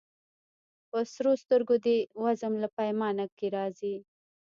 په سرو سترګو دي وزم له پیمانه که راځې